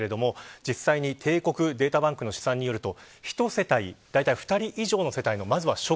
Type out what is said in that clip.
実際に、帝国データバンクの試算によりますと。